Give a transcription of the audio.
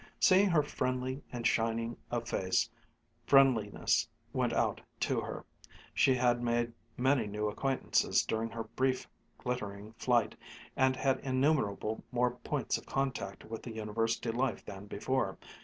Seeing her friendly and shining of face, friendliness went out to her. She had made many new acquaintances during her brief glittering flight and had innumerable more points of contact with the University life than before.